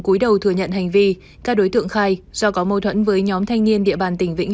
cuối đầu thừa nhận hành vi các đối tượng khai do có mâu thuẫn với nhóm thanh niên địa bàn tỉnh vĩnh